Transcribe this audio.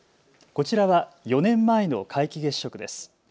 こちらは４年前の皆既月食です。